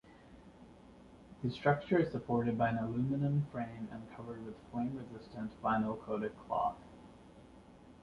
The structure is supported by an aluminum frame and covered with flame-resistant vinyl-coated cloth.